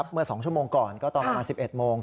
เมื่อ๒ชั่วโมงก่อนก็ต่อมา๑๑โมง